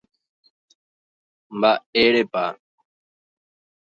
Mba'érepa